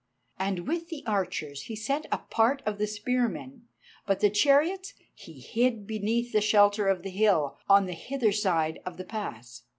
And with the archers he sent a part of the spearmen, but the chariots he hid beneath the shelter of the hill on the hither side of the pass.